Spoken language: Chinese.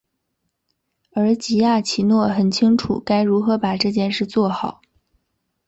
而吉亚奇诺很清楚该如何把这件事做好。